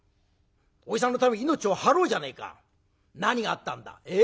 おじさんのために命を張ろうじゃねえか。何があったんだ？え？